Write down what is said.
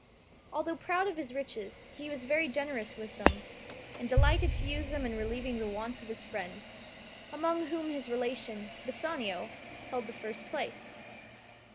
Although proud of his riches, he was very generous with them, and delighted to use them in relieving the wants of his friends, among whom his relation, Bassanio, held the first place.